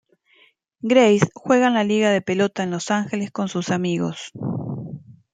Grace juega en la liga de pelota en Los Ángeles con sus amigos.